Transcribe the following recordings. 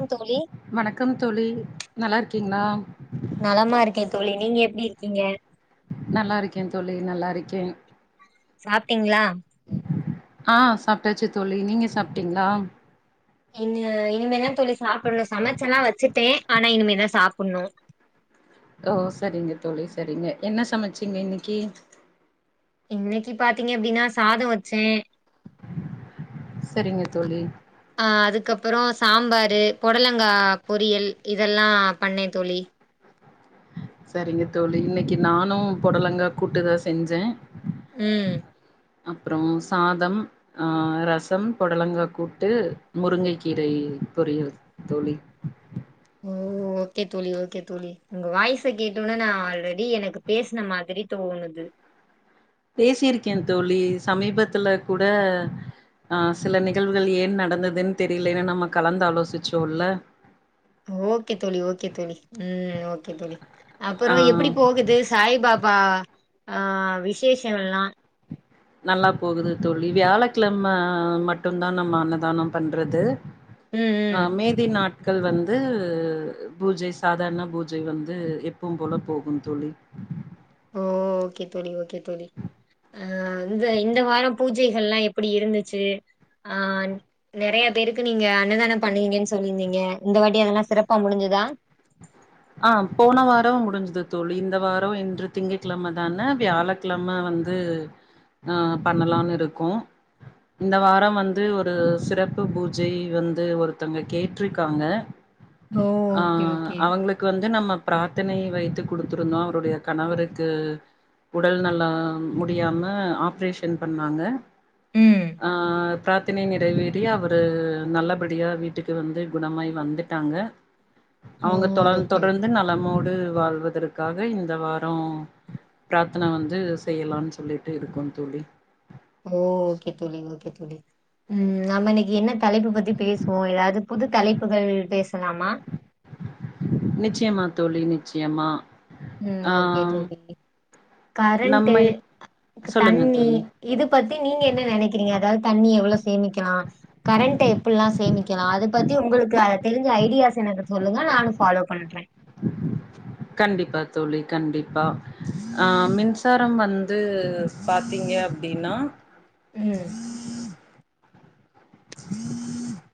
ம் தோழி வணக்கம் தோழி நல்லா இருக்கீங்ளா? நலமா இருக்கே தோழி நீங்க எப்டி இருக்கீங்க? நல்லா இருக்கே தோ ழி நல்லா இருக்கே சாப்ட்டீங்ளா ஆ, சாப்ட்டாச்சு தோழி நீங்க சாப்ட்டீங்ளா? இன்னு இனிமேதா தோழி சாப்புட்ணு சமைச்சில்லா வச்சுட்டே ஆனா இனிமேதா சாப்புட்ணு ஓ சரிங்க தோழி, சரிங்க என்ன சமைச்சீங்க இன்னிக்கி இன்னைக்கி பாத்தீங்க அப்டின்னா சாதம் வச்சே சரிங்க தோழி ஆ, அதுக்கப்பறோ சாம்பாரு, பொடலங்கா பொரியல் இதெல்லா பண்ணே தோழி, சரிங்க தோழி, இன்னைக்கு நானு பொடலங்கா கூட்டுதா செஞ்சே ம் அப்பறோ சாதம், ஆ, ரசம் பொடலங்கா கூட்டு, முருங்கை கீரை பொரியல் தோழி ஓ ஓகே தோழி, ஓகே தோழி உங்க வாய்ஸ் சா கேட்டோன நா ஆல்ரெ டி எனக்கு பேசுன மாதிரி தோணுது பேசிருக்கே தோழி, சமீபத்துல கூட ஆ சில நிகழ்வுகள் ஏன் நடந்துதுன்னு தெரிலனு நம்ம கலந்தாலோசிச்சோ இல்ல ஓகே தோழி, ஓகே தோழி, ம் ஓகே தோழி ஆ அப்பறோ எப்டி போகுது சாய் பா பா ஆ, விசேஷம் எல்லா நல்லா போகுது தோழி, வியாழக்கிழம மட்டுந்தா நம்ம அன்னதானம் பண்றது ம் அ, ம் மீதி நாட் கள் வந்து பூஜை சாதாரண பூஜை வந்து எப்பவு போல போகும் தோழி, ஓ, ஓகே தோழி, ஓகே தோழி, ஆ இந்த இந்த வாரம் பூஜைகள்லா எப்டி இருந்துச்சு ஆ நெறயா பேருக்கு நீங்க அன்னதானம் பண்ணுவீங்கனு சொல்லிருந்தீங்க இந்த வாட்டி அதெல்லா சிறப்பா முடிஞ்சுதா ஆ, போன வாரம் முடிஞ்சுது தோழி, இந்த வாரம் இன்று திங்ககிழம தான வியாழக்கிழம வந்து ஆ பண்ணலானு இருக்கோ, இந்த வாரம் வந்து ஒரு சிறப்பு பூஜை வந்து ஒருத்தங்க கேட்ருக்காங்க ஓ ஆ ஓகே ஓகே அவங்களுக் நம்ம பிராத்தனை வைத்து குடுத்துருந்தோ அவருடைய கணவருக்கு உடல் நலம் முடியாம ஆப்ரேஷன் பண்ணாங்க ம் பிராத்தனை நிறைவேறி அவரு நல்லபடியா வீட்டுக்கு வந்து குணமாய் வந்துட்டாங்க ஓ அவுங்க தொடர் ஓகே ஓகே தொடர்ந்து நலமோடு வாழ்வதற்காக இந்த வாரம் பிரார்த்தனை வந்து செய்யலான் சொல்லிட்டு இருக்கோம் தோழி [unintelligible] உம் நம்ம இன்னைக்கு என்ன தலைப்பு பத்தி பேசுவோம் ஏதாவது புது தலைப்புகள் பேசலாமா நிச்சயமா தோழி நிச்சயமா ஹும் ஆ ஓகே தோழி கரண்ட நம்மை சொல்லுங்க தண்ணி தோழி. இது பத்தி நீங்க என்ன நினைக்கிறீங்க அதாவது தண்ணி எவ்ள சேமிக்கலாம் கரண்ட எப்பல்லாம் சேமிக்கலாம் அதை பத்தி உங்களுக்கு அதை தெரிஞ்ச ஐடியாஸ் எனக்கு சொல்லுங்க நான ஃபாலோ பண்றேன் கண்டிப்பா தோழி கண்டிப்பா ஆஹ் மின்சாரம் வந்து பாத்தீங்க அப்படின்னா உம் உம்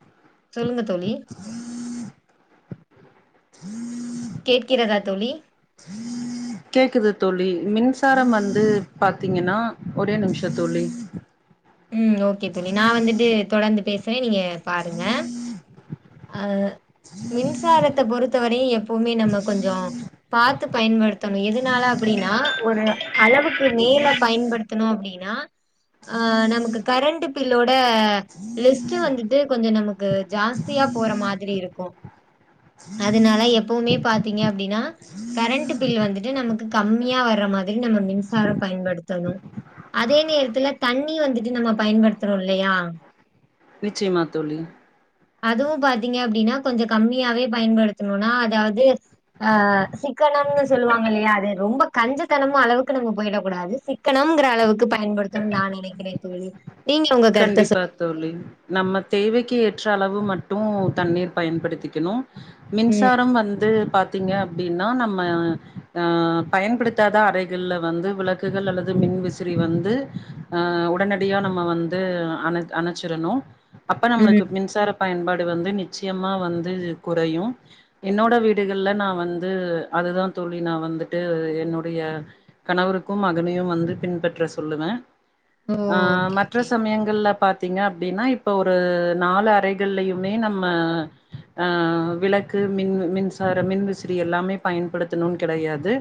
சொல்லுங்க தோழி ஹம் கேட்கிறதா தோழி கேக்குது தோழி மின்சாரம் வந்து பாத்தீங்கன்னா ஒரே நிமிஷம் தோழி ம் ஓகே தோழி நான் வந்துட்டு தொடர்ந்து பேச சரி நீங்க பாருங்க அஹ் மின்சாரத்தை பொறுத்தவரையு எப்பவுமே நம்ம கொஞ்ச பார்த்து பயன்படுத்தணு எதுனால அப்படின்னா ஒரு அளவுக்கு மேல பயன்படுத்தணு அப்படின்னா ஆஹ் நமக்கு கரண்ட் பில்லோட லிஸ்ட் வந்துட்டு கொஞ்ச நமக்கு ஜாஸ்தி பிரீயா போற மாதிரி இருக்கும் அதனால எப்பவுமே பாத்தீங்க அப்படின்னா கரண்ட் பில் வந்துட்டு நமக்கு கம்மியா வர்ற மாதிரி நம மின்சாரம் பயன்படுத்தணும் அதே நேர த்துல தண்ணி வந்துட்டு நம்ம பயன்படுத்துறோ இல்லையா நிச்சயமா தோழி அதுவும் பாத்தீங்க அப்படின்னா கொஞ்ச கம்மியாவே பயன்படுத்தணும்னா அதாவது ஆஹ் சிக்கனம்னு சொல்லுவாங்க இல்லையா அது ரொம்ப கஞ்சத்தனமு அளவுக்கு நம்ம போயிடக் கூடாது சிக்கனம்ங்கிற அளவுக்கு ப பயன்படுத்தணுன் நான் நினைக்கிறேன் [unintelligible] கண்டிப்பா தோழி நம்ம தேவை க்கு ஏற்ற அளவு மட்டு தண்ணீர் பயன்படுத்திக்கணு ம், மின்சாரம் வந்து பாத்து பாத்தீங்க அப்படின்னா நம்ம பயன்படுத்தாத அறைகள்ல வந்து விளக்குகள் அல்லது மின் விசிறி வந்து ஹ உடனடியா நம்ம வந்து வந்து அணைச்சிடணு அப்ப நம்மளுக்கு ம். மின்சார பயன்பாடு இது வந்து நிச்சியமா வந்து குறையு என்னோட வீடுகள்ல நா வந்து அதுதா தோழி நா வந்திட்டு என்னுடைய கணவருக்கும் மகனையு வந்து பின்பற்ற சொல்லுவே ஓ ஆ ஓகே மத் ற்ற ஓகே சமயங்கள்ல பாத் த்திங்னா அப்டின்னா இப்போ ஒரு நாலு அறைகள்லயுமே நம்ம ஆ விளக்கு மின்- மின்சாரம்- மின்விசிறி எல்லாமே பயன்படுத்தனுன் கெடையாது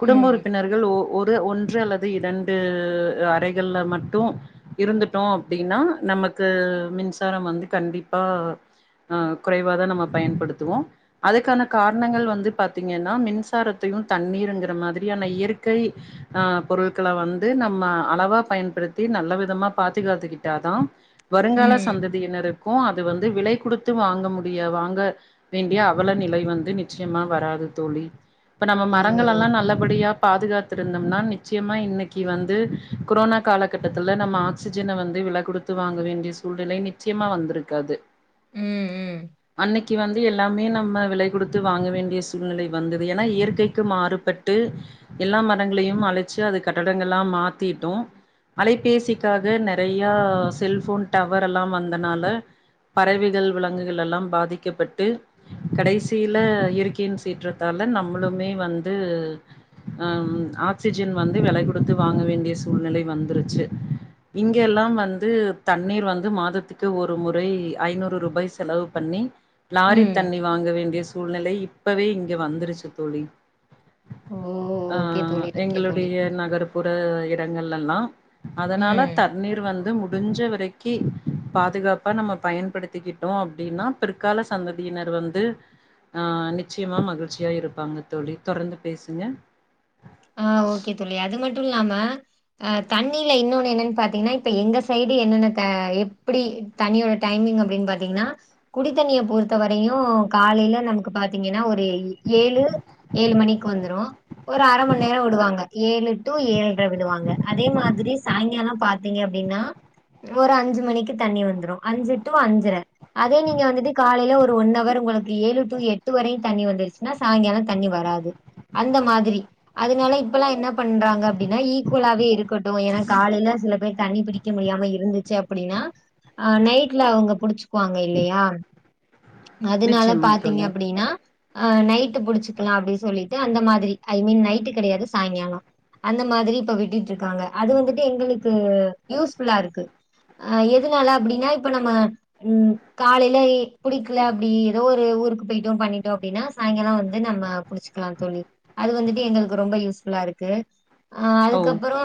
குடும்ப ம் உறுப்பினர்கள் ஒ-ஒர் து ஒன்று அல்லது இரண்டு அறைகள்ல மட்டூ இருந்துட்டோ அப்டீன்னா நமக்கு மின்சாரம் வந்து கண்டிப்பா ஆ குறைவாதா நம்ம பயன்படுத்துவோ. அதுக்கான காரணங்கள் வந்து பாத்தீங்கன்னா மின்சாரத்தையு தண்ணீருங்கிற மாதிரியான இயற்கை ஆ பொருள்கள வந்து நம்ம அளவா பயன்படுத்தி நல்ல வித் தமா பாத்துகாத்துக்கிட்டாதா வருங்கால ம் சந்ததியினருக் கூ அது வந்து விலை குடுத்து வாங்க முடிய வாங்க வேண்டிய அவல நிலை வந்து நிச்சயமா வராது தோழி இப்ப நம்ம ஓ மரங்கள் அல்லா நல்லபடியாப் பாதுகாத்திருந்தம்னா நிச்சயமா இன்னைக்கு வந்து குரோனா காலகட்டத்தில ல நம்ம ஆக்சிஜன வந்து வில குடுத்து வாங்க வேண்டிய சூழ்நிலை நிச்சியமா வந்திருக்காது ம் ம் அன்னைக் கி வந்து எல்லாமே நம்ம விலை குடுத்து வாங்க வேண்டிய சூழ்நிலை வந்தது ஏன்னா இயற்கைக்கு மாறுபட்டு எல்லா மரங்களையு அழிச்சு அது கட்டடங்களா மாத்திட்டோம் அலை பேசிக்காக நெறையா செல்ஃபோன் டவர் எல்லா வந்தனால பறவைகள் விலங்குகள் எல்லா பாதிக்கப்பட்டு கடைசில இயற்கையின் சீற்றத்தால நம்முளுமே வந்து அம் ஆக்சிஜன் வந்து விலை குடுத்து வாங்க வேண்டிய சூழ்நிலை வந்துருச்சு இங்க எல்லாம் வந்து தண்ணீர் வந்து மாதத்துக்கு ஒரு முறை ஐநூறு ரூபாய் செலவு பண்ணி லாரித் ம் தண்ணி வாங்க வேண்டிய சூ சூழ்நிலை இப்பவே இங்க வந்துருச்சு தோழி ஓ ஆ ஓகே தோழி ஓகே தோழி எங்களுடைய நகர்ப்புற எட் டெங்கள்லெல்லா அதனால ம் தண்ணீர் வந்து முட் முடிஞ்ச வரைக்கி பாதுகாப்பா நம்ம பயன்படுத்திக்கிட்டோ அப்பிடின்னா பிற்கால சந்ததியினர் வந்து ஆ நிச்சயமா மகிழ்ச்சியா இருப்பாங்க தோழி தொடர்ந்து பேசுங்க ஆ ஓகே தோழி அது மட் டூ இல்லாம அ தண்ணில இன்னொன்னு என்னன்னு பாத்தீங்கன்னா இப்ப எங்க சைடு என்னென்ன தே எப்டி தண்ணியோட டைமிங் அப்டின் பாத்தீங்கன்னா குடித்தண்ணிய பொறுத்த வரையூ காலைல நமக்கு பாத்தீங்கன்னா ஒரு ஏழு- ஏழு மணிக்கு வந்துரூ ஒரு அர மண் நேரோ விடுவாங்க ஏழு டு ஏழ்ர விடுவாங்க அதே மாதிரி சாய்ங்கால பாத்தீங்க அப்டின்னா ஒரு அஞ்சு மணிக்கு தண்ணி வந்துரூ அஞ்சு ட்டூ அஞ்சர அதே நீங்க வந்துட்டு காலைல ஒர் டூ ஒன்னவர் உங்ளுக்கு ஏழு டூ எட்டு வரயூ தண்ணி வந்துருச்சின்னா சாய்ங்காலோ தண்ணி வராது அந்த மாதிரி அதனால இப்பல்லா என்ன பண்றாங்க அப்பிடின்னா ஈக்குவலாவே இருக் கட்டூ ஏன்னா காலைல சில பேர் தண்ணி பிடிக்க முடியாம இருந்திச்சு அப் அப்டின்னா அ நைட்ல அவங்க புடிச்சுக்குவாங்க இல்லையா அதனால நிச்சயமா பாத்தீங்க தோழி அப்டின்னா அ நைட்டு புடிச்சக்கலா அப்டீ சொல்லிட்டு அந்த மாதிரி ஐ மீன் நை ட்டு கெடயாது சாய்ங்காலோ அந்த மாதிரி இப்ப விட்டிட் இருக்காங்க அது வந்திட்டு எங்குளுக்கு யூஸ்ஃபுல்லா இருக்கு ஆ எதுனால அப்பிடீன்னா இப்ப நம்ம காலைல புடிக்கல அப்டி ஏதோ ஒரு ஊருக்கு போயிட்டோ பண்ணிட்டோ அப்டின்னா சாய்ங்காலோ வந்து நம்ம புடிச்சிக்கலா தோழி அது வந்திட்டு எங்ளுக் ரொம்ப யூஸ்ஃபுல்லா இருக்கு ஓ அதுக்கப்றோ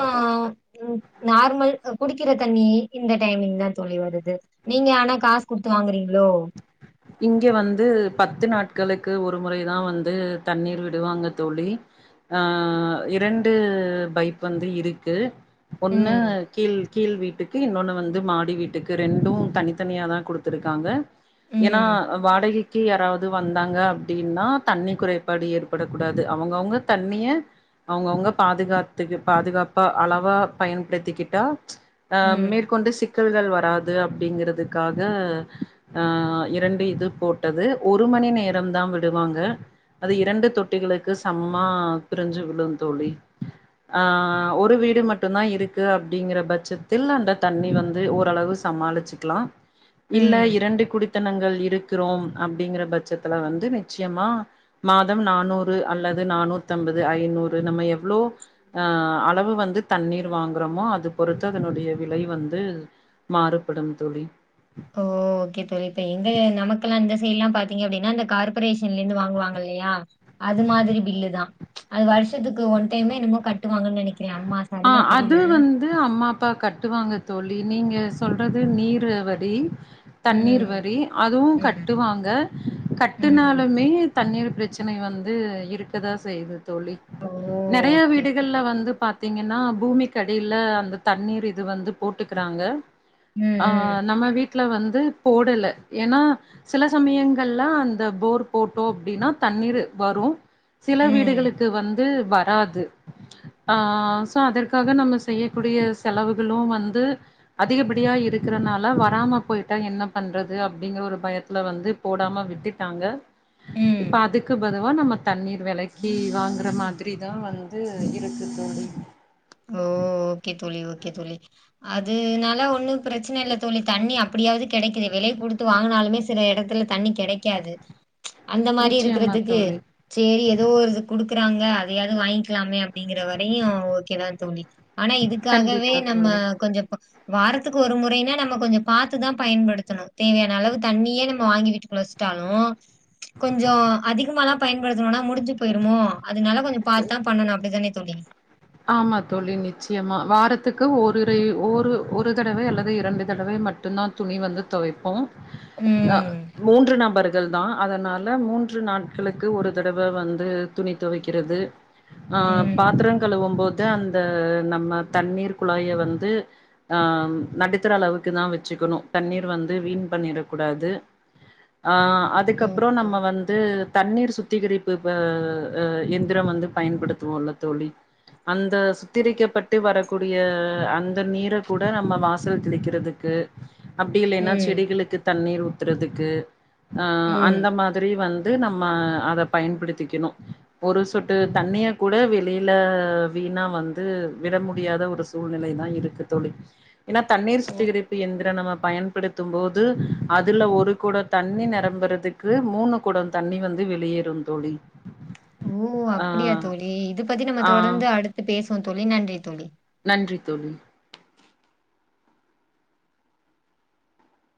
ம் நார்மல் குடிக்கிற தண்ணி இந்த டைமிங் தான் தோழி வருது நீங்க ஆனா காசு குடுத்து வாங்குறீங்களோ இங்க வந்து பத்து நாட்களுக்கு ஒரு முறைதா வந்து தண்ணீர் விடுவாங்க தோழி அஹ் இரண்டு பைப் வந்து இருக்கு ஒண்ணு ம் கீழ் கீழ் வீட்டுக்கு இன்னொன்னு வந்து மாடி வீட்டுக்கு ரெண்டும் தனித்தனியாதான் குடுத்துருக்காங்க எனா ம் வாடகை க்கி யாராவது வந்தாங்க அப்டின்னா தண்ணி குறைபாடு ஏற்பட கூடாது அவங்கவுங்க தண்ணிய அவங்கவுங்க பாதுகாத்துக்கு பாதுகாப்பா அளவா பயன்படுத்திக்கிட்டா அஹ் ம் மேற்கொண்டு சிக் க்கல்கள் வராது அப்டிங்கிறதுக்காக ஆஹ் இரண்டு இது போட்டது ஒரு மணி நேரம்தா விடுவாங்க அது இரண்டு தொட்டிகளுக்கு சம்மா பிரிஞ்சு விடும் தோழி ஆஹ் ஒரு வீடு மட்டும்தா இருக்கு அப்டிங்கிற பட்சத்தில் அந்த தண்ணி வந்து ஓரளவு சமாளிச்சுக்லா இல்ல ம் இரண்டு குடித் தங்கள் இருக்குறோம் அப்டிங்கிற பட்சத்துல வந்து நிச்சயமா மாதம் நானூறு அல்லது நானூத்தம்பது ஐநூறு நம்ம எவ்ளோ ஆஹ் அளவு வந்து தண்ணீர் வாங்குறோமோ அது பொறுத்து அதனுடைய விலை வந்து மாறுபடும் தோழி ஓ ஓகே தோழி தெஎங்க நமக்குலா இந்த சைட்லா பாத்திங்க அப்டின்னா அந்த கார்பரேஷன்ல இருந்து வாங்குவாங்க இல்லையா அது மாதிரி பில்லு தான் அது வருஷத்துக்கு ஒன் டைமே என்னமோ கட்டுவாங்கன்னு நெனைக் ஆஹ் அது வந்து அம்மாப்பா கட்டுவாங்க தோழ் இ நீங்க சொல்றது நீர் வடி தண்ணீர் ம். வரி அதுவு ம். கட்டுவாங்க ம். கட்டுனாலுமே தண்ணீர் பிரச்சனை வந்து இருக்கதான் செய்து தோழி ஓ! நெறய ஓகே, ஓகே வீடுகள்ல தோழி. வந்து பாத் த்திங்கன்னா பூமிக்கடியில அந்த தண்ணீர் இது வந்து போட்டுக்குறாங்க ம், ம். ஆஹ் நம்ம வீட் ட்ல வந்து போடல ஏனா சில சமயங்கள்லா அந்த போர் போட்டோம் அப்டின்னா தண்ணீர் வரு சில ம். வீடுகளுக்கு வந் து வராது ஆஹ் சோ அதற்காக நம்ம செய்யக்கூடிய செலவுகளு வந்து அதிகப்படியா இருக்கறனால வராம போயிட்டா என்ன பண்றது அப்டிங்கற ஒரு பயத்துல வந்து போடாம விட்டுட்டாங்க ம். இப்ப அதுக்கு பது ஒ நம்ம தண்ணீர் வெலக்கி வாங்குற மாதிரிதா வந்து இருக்கு தோழி அது னால ஒன்னும் பிரச்சன இல்ல தோழி தண்ணி அப்படியாவது கிடைக்குதே வெலை குடுத்து வாங்குனாலுமே சில இடத்துல தண்ணி கெடைக்காது அந்த மாரி நிச்சயமா இருக்குறதுக்கு தோழி சேரி ஏதோ ஒருது குடுக்குறாங்க அதையாவது வாங்க்கலாமே அப்டிங்கற வரையு ஒர் கெதா தோழி ஆனா இதுக்காகவே கண்டிப்பா நம்ம தோழி கொஞ்சப் வாரத்துக்கு ஒரு முறைன்னா நம்ம கொஞ்சொ பாத்துதா பயன்படுத்தணு தேவையான அளவு தண்ணியே நம்ம வாங்கி வீட்டுக்கு வச்ட்டாலு கொஞ்ஜொ அதிகமாலா பயன்படுத்துணோனா முடிஞ்சுட் பொயிருமோ அதுனால கொஞ்சம் பாத்து தான் பண்ணணு அப்டிதானே [unintelligible] ஆமா தோழி நிச் யமா வாரத்துக்கு ஒரு ரெ ஒரு ஒரு தடவை அல்லது இரண்டு தடவை மட்டுந்தான் துணி வந்து தொவைப்போ அ ம் மூன்று நபரு [unintelligible] தா அதனால மூன்று நாட்களுக்கு ஒரு தடவ வந்து துணி தொவைக்கறது ஆ ம் பாத்திரங் போது அந்த நம்ம தண்ணீர் குழாய வந்து ஆ நடுத்தர அளவுக்கு தா வச்சுக்கணு தண்ணீர் வந்து வீண் பண்ணிட கூடாது ஆ ஓ அதுக்கப்பறோ நம்ம வந்து தண்ணீர் சுத்திகரிப்பு ப ஆ எந்திர வந்து பயன்படுத்துவோம்ல தோழி அந்த சுத்திரிக்கப்பட்டு வரக்கூடிய அந்த நீர கூட நம்ம வாசல் தெளிக்கறதுக்கு அப்டி இல்லைன்னா ம் செடிகளுக்கு தண்ணீர் ஊத் பத்தறதுக்கு ஆ ஆ ம் அந்த மாதிரி வந் து நம்ம அத பயன்படுத்திக்கணு ஒரு சொட்டு தண்ணிய கூட வெளில வீணா வந்து விட முடியாத ஒரு சூழ்நிலைதா இருக்கு தோழி ஏன்னா தண்ணீர் ஓ சுத்திகரிப்பு எந்திர நம்ம பயன்படுத்தும் போது அதுல ஒரு குடம் தண்ணி நிரம்புறதுக்கு மூணு குடம் தண்ணி வந்து வெளியேறும் தோழி ஒ ஆ அப்டியா தோழி இத பத்தி நம்ம ஆ தொடர்ந்து அடுத் பேசுவோ தோழி நன்றி தோழி நன்றி தோழி